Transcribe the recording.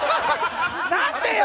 何でよ！